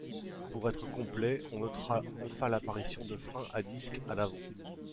Pour être complet, on notera enfin l’apparition de freins à disque à l’avant.